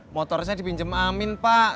motornya dipinjam amin pak